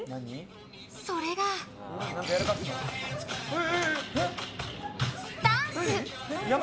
それが、ダンス。